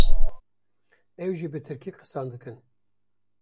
ew jî bi Tirkî qisan dikin.